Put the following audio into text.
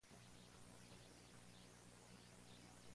¿Está alguno enfermo entre vosotros?